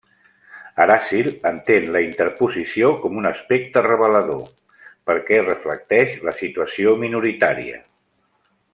Aracil entén la interposició com un aspecte revelador, perquè reflecteix la situació minoritària.